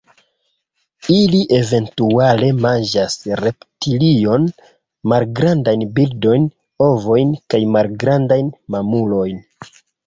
Ili eventuale manĝas reptiliojn, malgrandajn birdojn, ovojn kaj malgrandajn mamulojn.